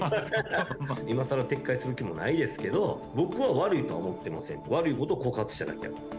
今さら撤回する気もないですけど、僕は悪いとは思ってませんと、悪いことを告発しただけ。